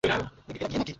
এরা গে নাকি?